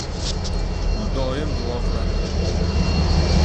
U doim duo qiladi.